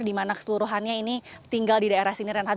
di mana keseluruhannya ini tinggal di daerah sini renhard